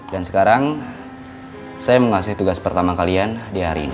dan sekarang saya mengasih tugas pertama kalian di hari ini